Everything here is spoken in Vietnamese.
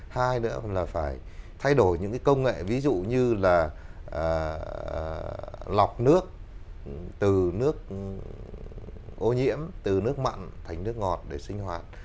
hai nữa là phải thay đổi những công nghệ ví dụ như là lọc nước từ nước ô nhiễm từ nước mặn thành nước ngọt để sinh hoạt